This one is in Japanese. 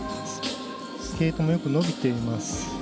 スケートもよく伸びています。